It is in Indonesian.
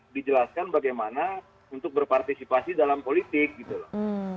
dijelaskan bagaimana untuk berpartisipasi dalam politik gitu loh